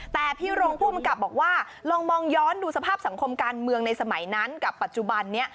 แต่พี่รงผู้กำกับบอกว่าลองมองย้อนดูสภาพสังคมการเมืองในสมัยนั้นกับปัจจุบันนี้